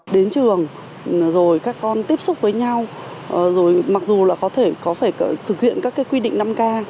đến trường rồi các con tiếp xúc với nhau mặc dù có phải thực hiện các quy định năm ca